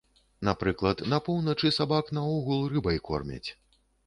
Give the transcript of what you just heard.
Напрыклад, на поўначы сабак наогул рыбай кормяць.